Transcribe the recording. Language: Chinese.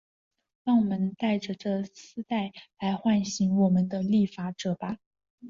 让我们戴着这丝带来唤醒我们的立法者吧。